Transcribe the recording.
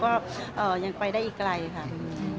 จะมีโอกาสไหมคะพี่น้อง